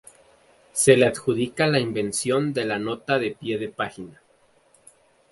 Se le adjudica la invención de la nota de pie de página.